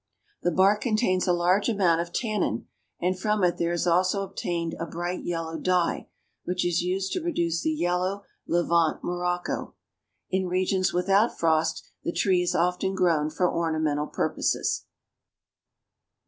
The bark contains a large amount of tannin and from it there is also obtained a bright yellow dye, which is used to produce the yellow Levant Morocco. In regions without frost the tree is often grown for ornamental purposes.